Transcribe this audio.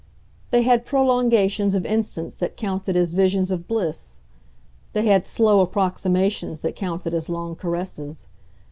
They had prolongations of instants that counted as visions of bliss; they had slow approximations that counted as long caresses.